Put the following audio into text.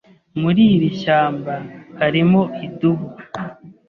Muri iri shyamba harimo idubu.